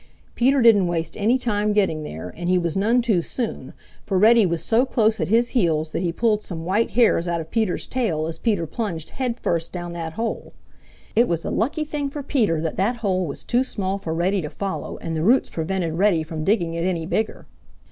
Peter didn't waste any time getting there, and he was none too soon, for Reddy was so close at his heels that he pulled some white hairs out of Peter's tail as Peter plunged headfirst down that hole. It was a lucky thing for Peter that that hole was too small for Reddy to follow and the roots prevented Reddy from digging it any bigger.